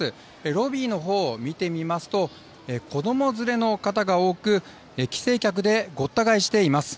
ロビーのほう見てみますと子供連れの方が多く帰省客でごった返しています。